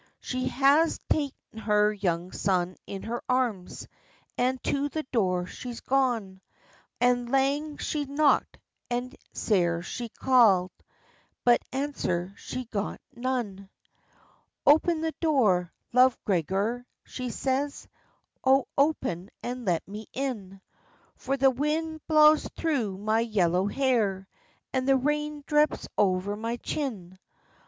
She has ta'en her young son in her arms, And to the door she's gone, And lang she's knocked and sair she ca'd, But answer got she none. "O open the door, Love Gregor," she says, "O open, and let me in; For the wind blaws thro' my yellow hair, And the rain draps o'er my chin."